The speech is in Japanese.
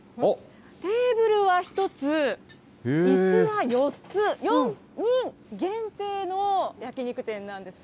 テーブルは１つ、いすは４つ、４人限定の焼き肉店なんです。